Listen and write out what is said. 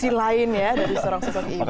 sisi lain ya dari seorang sosok ibu